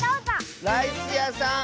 ライスやさん！